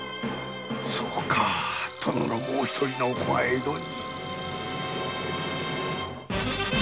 そうか殿のもう一人のお子が江戸に。